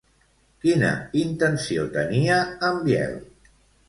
Quina intenció tenia en Biel?